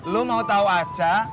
lo mau tahu aja